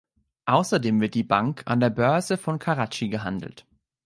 Außerdem wird die Bank an der Börse von Karachi gehandelt.